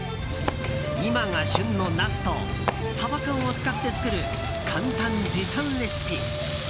今が旬のナスとサバ缶を使って作る簡単時短レシピ。